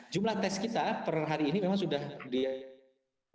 jumlah tes kita per hari ini memang sudah di